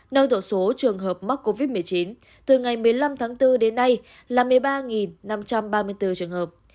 nâng tổng số trường hợp mắc covid một mươi chín từ ngày một mươi năm tháng bốn đến nay là một mươi ba năm trăm ba mươi bốn trường hợp